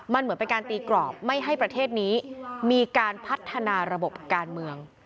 มันเหมือนเป็นการตีกรอบไม่ให้ประเทศนี้มีการพัฒนาระบบการเมือง